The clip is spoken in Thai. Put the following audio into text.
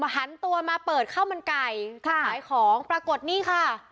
หันตัวมาเปิดข้าวมันไก่ขายของปรากฏนี่ค่ะ